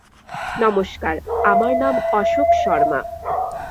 নমস্কার, আমার নাম অশোক শর্মা।